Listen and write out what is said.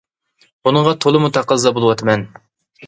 بۇنىڭغا تولىمۇ تەقەززا بولۇۋاتىمەن.